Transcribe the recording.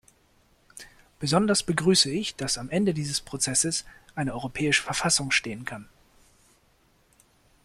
Besonders begrüße ich, dass am Ende dieses Prozesses eine europäische Verfassung stehen kann.